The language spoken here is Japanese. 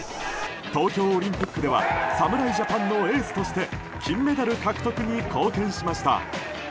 東京オリンピックでは侍ジャパンのエースとして金メダル獲得に貢献しました。